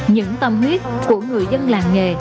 những tâm huyết của người dân làng nghề